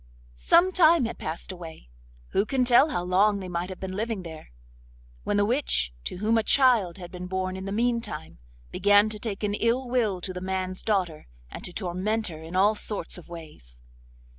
Some time had passed away—who can tell how long they might have been living there?—when the witch, to whom a child had been born in the meantime, began to take an ill will to the man's daughter, and to torment her in all sorts of ways.